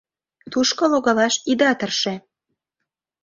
Тушко логалаш ида тырше.